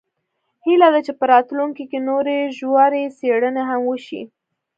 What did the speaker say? هیله ده چې په راتلونکي کې نورې ژورې څیړنې هم وشي